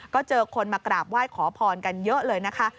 ก็เจอคนมากราบไหว้ขอพรกันเยอะเลยนะคะ